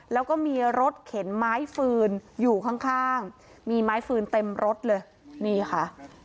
แล้วก็มีรถเข็นไม้ฟืนอยู่ข้างข้างมีไม้ฟืนเต็มรถเลยนี่ค่ะ